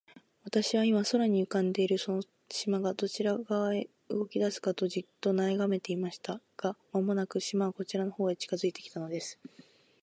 私は、今、空に浮んでいるその島が、どちら側へ動きだすかと、じっと眺めていました。が、間もなく、島はこちらの方へ近づいて来たのです。